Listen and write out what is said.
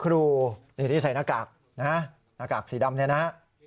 ครูที่ใส่หน้ากากหน้ากากสีดำนี้นะ